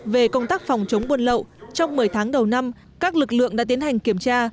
về công tác phòng chống buôn lậu trong một mươi tháng đầu năm các lực lượng đã tiến hành kiểm tra